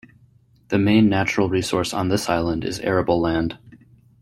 The main natural resource on this island is arable land.